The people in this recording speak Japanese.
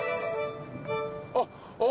あっあ。